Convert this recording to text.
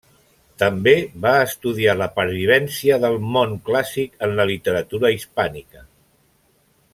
També va estudiar la pervivència del món clàssic en la literatura hispànica.